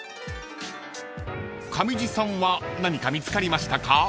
［上地さんは何か見つかりましたか？］